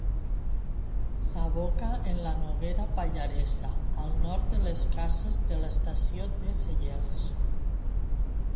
S'aboca en la Noguera Pallaresa al nord de les Cases de l'Estació de Cellers.